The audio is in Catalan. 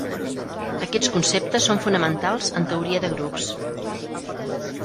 Aquests conceptes són fonamentals en teoria de grups.